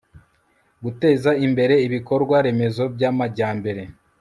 guteza imbere ibikorwa remezo by'amajyambere